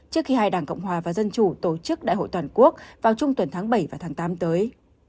trước khi hai đảng cộng hòa và dân chủ tổ chức đại hội toàn quốc vào trung tuần tháng bảy và tháng tám tới